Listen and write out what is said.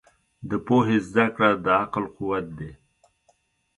د پوهې زده کړه د عقل قوت دی.